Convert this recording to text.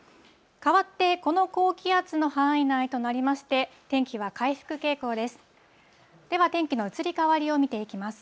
かわってこの高気圧の範囲内となりまして、天気は回復傾向です。